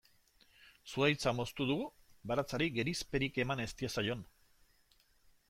Zuhaitza moztu dugu baratzari gerizperik eman ez diezaion.